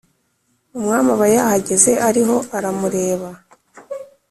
umwami aba yahageze ariho aramureba,